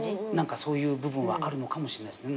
そういう部分はあるのかもしれないです。